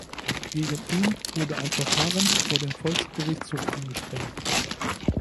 Gegen ihn wurde ein Verfahren vor dem Volksgerichtshof angestrengt.